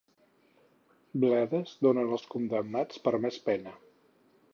Bledes donen als condemnats per més pena.